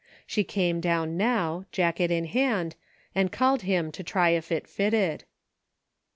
She came down now, jacket in hand, and called him to try if it fitted.